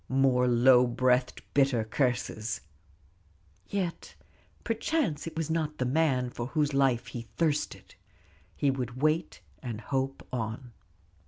More low breathed, bitter curses: yet perchance it was not the man for whose life he thirsted. He would wait and hope on.